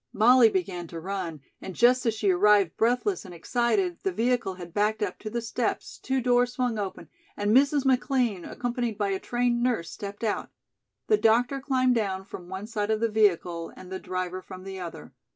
Molly began to run, and just as she arrived breathless and excited, the vehicle had backed up to the steps, two doors swung open, and Mrs. McLean, accompanied by a trained nurse, stepped out. The doctor climbed down from one side of the vehicle and the driver from the other.